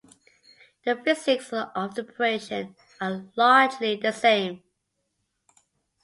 The physics of the operation are largely the same.